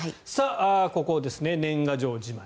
ここですね、年賀状じまい。